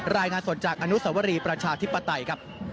รายงานสดจากอนุสวรีประชาธิปไตยครับ